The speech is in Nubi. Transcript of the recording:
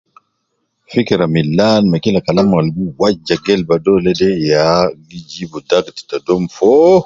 Fikira milan ma kila Kalam al gi waja gelba dole ya gi jib dakt ta dom fo